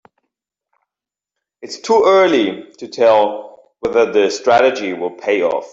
Its too early to tell whether the strategy will pay off.